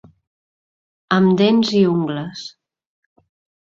Amb dents i ungles.